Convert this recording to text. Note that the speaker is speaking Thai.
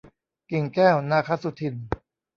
กิ่งแก้ว นาคสุทิน